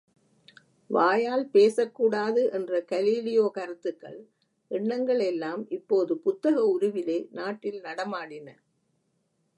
வாயால் பேசக்கூடாது என்ற கலீலியோ கருத்துக்கள், எண்ணங்கள் எல்லாம் இப்போது புத்தக உருவிலே நாட்டில் நடமாடின!